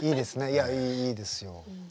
いやいいですよ。